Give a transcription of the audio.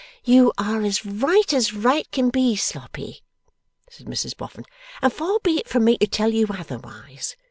'You are as right as right can be, Sloppy,' said Mrs Boffin 'and far be it from me to tell you otherwise.